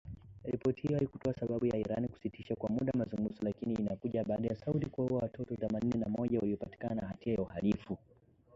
Ripoti hiyo haikutoa sababu ya Iran kusitisha kwa muda mazungumzo, lakini inakuja baada ya Saudi kuwaua watu thamanini na moja waliopatikana na hatia ya uhalifu.